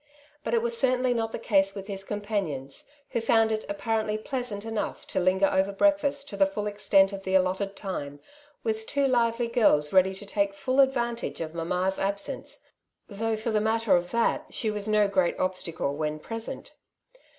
But it was certainly not the case with his companions, who found it apparently pleasant enough to linger over breakfact to the full extent of the allotted time, with two lively girls ready to take full advantage of ^^ mamma's'' absence — ^though, for the matter of that, she was no great obstacle when present.